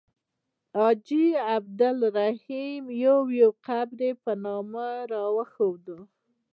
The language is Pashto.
حاجي عبدالرحیم یو یو قبر په نامه راښود.